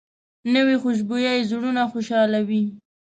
نوې خوشبويي زړونه خوشحالوي